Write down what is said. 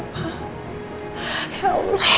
ma ya allah